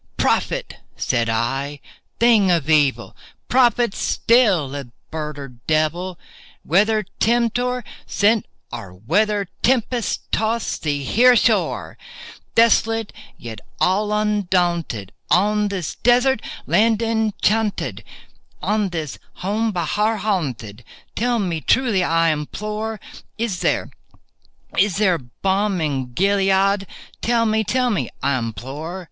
"Prophet!" said I, "thing of evil!—prophet still, if bird or devil!— Whether Tempter sent, or whether tempest tossed thee here ashore, Desolate yet all undaunted, on this desert land enchanted— On this home by Horror haunted—tell me truly, I implore— Is there—is there balm in Gilead?—tell me—tell me, I implore!"